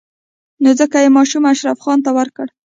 نو ځکه يې ماشوم اشرف خان ته ورکړ.